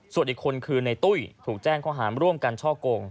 ส่วนอีกคนคือในตุ้ยถูกแจ้งข้อหารร่วมกันช่อกง